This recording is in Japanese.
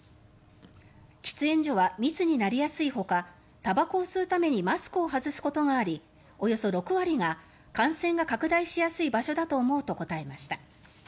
喫煙所は密になりやすいほかたばこを吸うためにマスクを外すことがありおよそ６割が、感染が拡大しやすい場所だと思うと答えました。